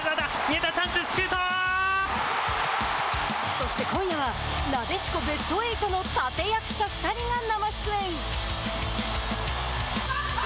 そして今夜はなでしこベスト８の立て役者２人が生出演。